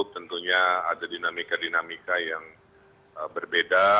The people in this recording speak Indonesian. tentunya ada dinamika dinamika yang berbeda